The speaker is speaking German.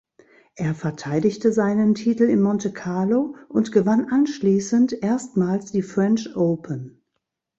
Er verteidigte seinen Titel in Monte Carlo und gewann anschließend erstmals die French Open.